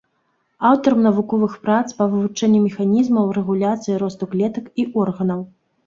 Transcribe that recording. Аўтарам навуковых прац па вывучэнні механізмаў рэгуляцыі росту клетак і органаў.